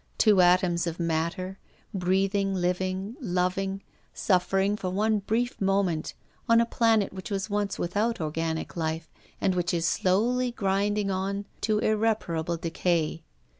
Two atoms of matter, breathing, living, loving, suffering, for one brief moment on a planet which was once without organic life, and which is slowly grinding on to irreparable decay.